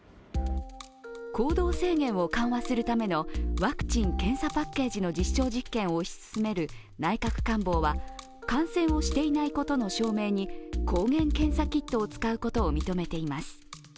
行動制限を緩和するためのワクチン・検査パッケージの実証実験を推し進める内閣官房は感染をしていないことの証明に抗原検査キットを使うことを認めています。